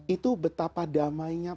itu betapa damainya